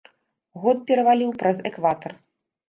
Год пераваліў праз экватар.